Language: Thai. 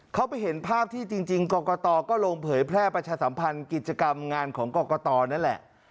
เขาไปเห็นภาพที่จริงกรกตก็ลงเผยแพร่ประชาสัมพันธ์กิจกรรมงานของกรกตนั่นแหละ